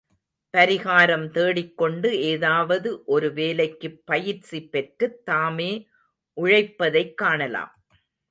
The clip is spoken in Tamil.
பரிகாரம் தேடிக்கொண்டு, ஏதாவது ஒரு வேலைக்குப் பயிற்சி பெற்றுத் தாமே உழைப்பதைக்காணலாம்.